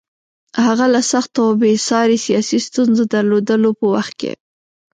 هغه له سختو او بې ساري سیاسي ستونزو درلودلو په وخت کې.